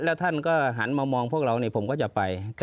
แล้วท่านก็หันมามองพวกเราผมก็จะไป